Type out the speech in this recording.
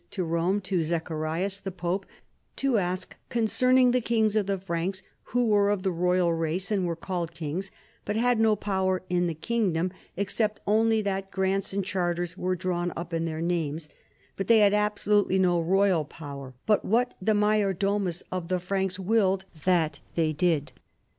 to Rome to Zacharias the Pope to ask concerning the Kings of the Franks who were of the royal race and were called kings, but had no power in the king dom except only that grants and charters were drawn up in their names, but they had absolutely no royal power ; but what the major domus of the Franks willed, that they did.